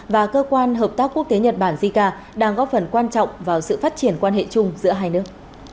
và cơ quan hợp tác quốc tế nhật bản jica đang góp phần quan trọng vào sự phát triển quan hệ chung giữa hai nước